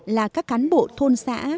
là các cán bộ thôn xã